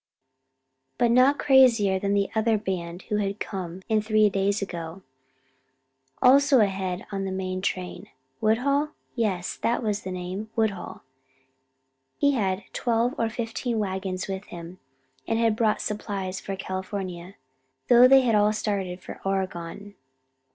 But not crazier than the other band who had come in three days ago, also ahead of the main train. Woodhull? Yes, that was the name Woodhull. He had twelve or fifteen wagons with him, and had bought supplies for California, though they all had started for Oregon.